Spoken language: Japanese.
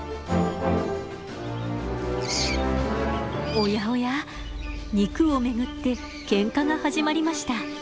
おやおや肉を巡ってけんかが始まりました。